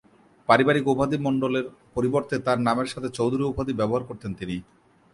পারিবারিক উপাধি মন্ডলের পরিবর্তে তার নামের সাথে চৌধুরী উপাধি ব্যবহার করতেন তিনি।